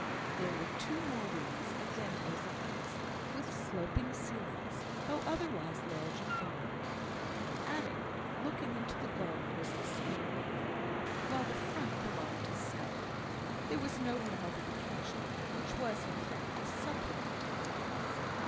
There were two more rooms again over these, with sloping ceilings, though otherwise large and airy. The attic looking into the garden was the spare bedroom; while the front belonged to Sally. There was no room over the kitchen, which was, in fact, a supplement to the house.